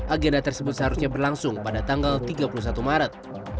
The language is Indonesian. agenda tersebut seharusnya berlangsung pada tanggal tiga puluh satu maret